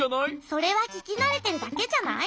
それはききなれてるだけじゃない？